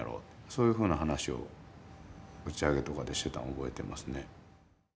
そういうふうな話を打ち上げとかでしてたのを覚えてますね。